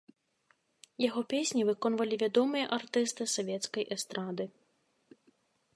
Яго песні выконвалі вядомыя артысты савецкай эстрады.